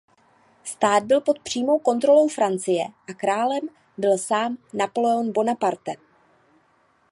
Stát byl pod přímou kontrolou Francie a králem byl sám Napoleon Bonaparte.